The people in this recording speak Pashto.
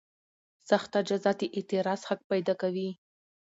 سخته جزا د اعتراض حق پیدا کوي.